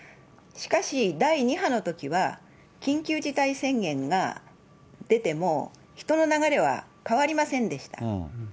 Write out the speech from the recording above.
しかし、第２波のときは緊急事態宣言が出ても、人の流れは変わりませんでした。